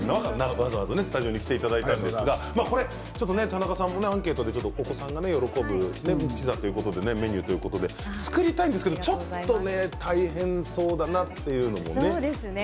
わざわざスタジオに来ていただいたんですが田中さんもアンケートでお子さんが喜ぶピザということでメニューということで作りたいんですけどちょっと大変そうだなっていうのもね。